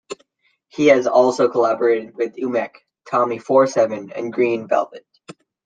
He has also collaborated with Umek, Tommy Four Seven and Green Velvet.